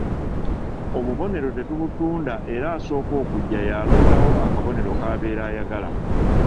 Obubonero tetubutunda era asooka okujja y'alondawo akabonero k'abeera ayagala.